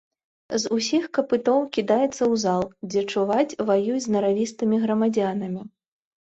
З усіх капытоў кідаецца ў зал, дзе, чуваць, ваюе з наравістымі грамадзянамі.